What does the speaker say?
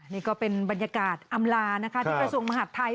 นี่ก็เป็นบรรยากาศอำลานะคะที่กระทรวงมหาดไทย